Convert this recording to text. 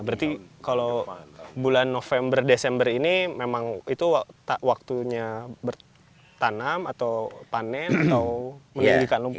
berarti kalau bulan november desember ini memang itu waktunya bertanam atau panen atau menggantikan lumpur